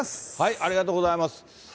ありがとうございます。